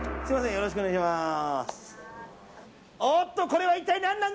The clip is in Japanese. よろしくお願いします。